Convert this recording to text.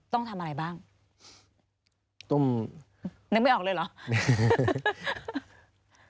ต้องทำอะไรบ้างตุ้มนึกไม่ออกเลยเหรอ